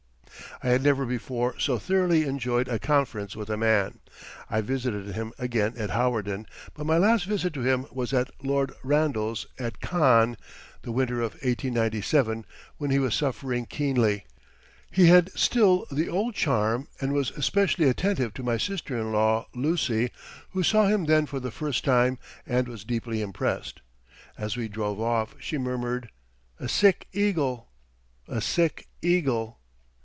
I had never before so thoroughly enjoyed a conference with a man. I visited him again at Hawarden, but my last visit to him was at Lord Randall's at Cannes the winter of 1897 when he was suffering keenly. He had still the old charm and was especially attentive to my sister in law, Lucy, who saw him then for the first time and was deeply impressed. As we drove off, she murmured, "A sick eagle! A sick eagle!"